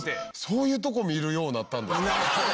そういうとこ見るようになったんですか？